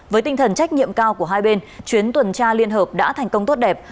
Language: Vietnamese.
với tinh thần trách nhiệm cao của hai bên chuyến tuần tra liên hợp đã thành công tốt đẹp